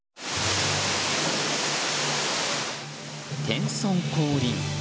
天孫降臨。